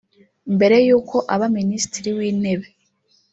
Mbere y’uko aba Minisitiri w’Intebe